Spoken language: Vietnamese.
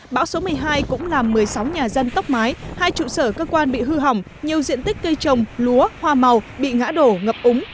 bão số một mươi hai cũng làm một mươi sáu nhà dân tốc mái hai trụ sở cơ quan bị hư hỏng nhiều diện tích cây trồng lúa hoa màu bị ngã đổ ngập úng